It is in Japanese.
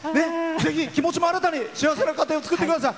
ぜひ気持ちも新たに幸せな家庭作ってください。